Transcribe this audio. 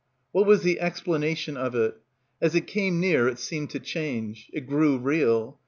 What was the explanation of it? As it came near it seemed to change. It grew real.